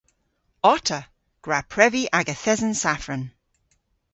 Otta! Gwra previ aga thesen safran!